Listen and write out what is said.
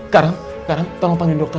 karam karam tolong panggil dokter